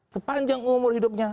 sepanjang umur hidupnya